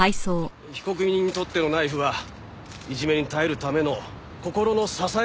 被告人にとってのナイフはいじめに耐えるための心の支えのようなものでした。